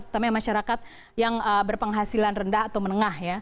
terutama masyarakat yang berpenghasilan rendah atau menengah ya